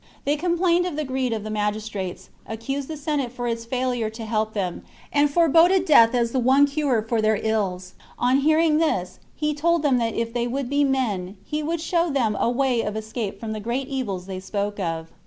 They complained of the greed of the magistrates, accused the Senate for its failure to help them, and foreboded death as the one cure for their ills. On hearing this, he told them that if they v/ould be men, he would show them a way of escape from the great evils they spoke of.